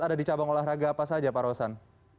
ada di cabang olahraga apa saja pak rosan